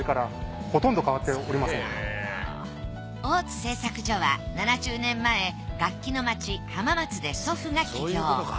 大津製作所は７０年前楽器の町浜松で祖父が起業。